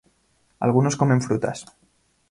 Algunos comen frutas.